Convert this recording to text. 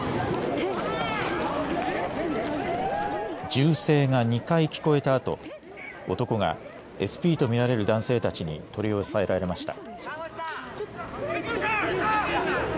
銃声が２回、聞こえたあと男がＳＰと見られる男性たちに取り押さえられました。